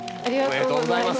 おめでとうございます。